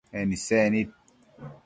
En isec nid